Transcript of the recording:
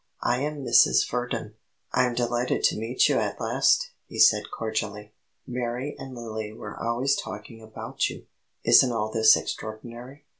I am Mrs. Verdon." "I'm delighted to meet you at last," he said cordially. "Mary and Lily were always talking about you. Isn't all this extraordinary?